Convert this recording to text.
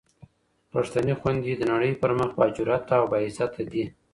پښتنې خویندې د نړۍ پر مخ با جراته او با عزته دې.